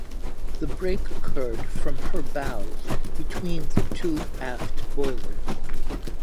The break occurred from her bows, between the two aft boilers.